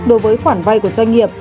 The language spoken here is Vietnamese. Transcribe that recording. đối với khoản vay của doanh nghiệp